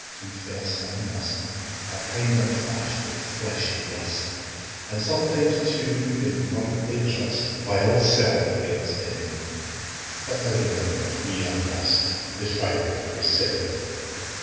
confess I must, At times I'm fash'd wi' fleshly lust: An' sometimes, too, in wardly trust, Vile self gets in: But Thou remembers we are dust, Defil'd wi' sin.